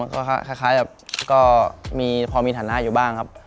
ก็คล้ายแบบก็พอมีฐานะอยู่บ้างครับ